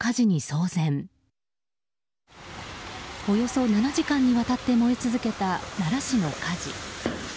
およそ７時間にわたって燃え続けた奈良市の火事。